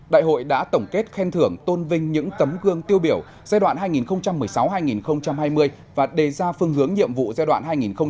đại hội đã tổng kết khen thưởng tôn vinh những tấm gương tiêu biểu giai đoạn hai nghìn một mươi sáu hai nghìn hai mươi và đề ra phương hướng nhiệm vụ giai đoạn hai nghìn hai mươi hai nghìn hai mươi năm